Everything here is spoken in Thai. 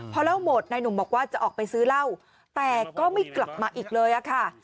พอเล่าหมดนายหนุ่มบอกว่าจะออกไปซื้อเหล้าแต่ก็ไม่กลับมาอีกเลยค่ะ